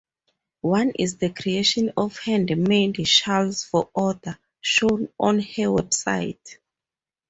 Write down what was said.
One is the creation of hand-made shawls for order, shown on her website.